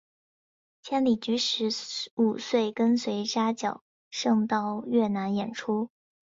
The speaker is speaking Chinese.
千里驹十五岁跟随扎脚胜到越南演出。